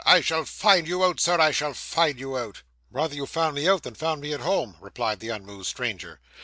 I shall find you out, sir; I shall find you out.' 'Rather you found me out than found me at home,' replied the unmoved stranger.